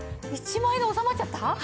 １万円で収まっちゃった？